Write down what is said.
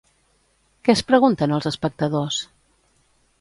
Què es pregunten els espectadors?